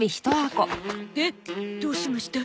でどうしました？